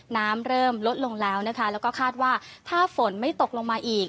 น้ำเริ่มลดลงแล้วนะคะแล้วก็คาดว่าถ้าฝนไม่ตกลงมาอีก